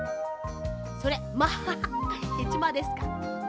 それまあへちまですか。